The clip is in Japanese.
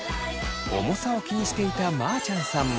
重さを気にしていたまーちゃんさんも。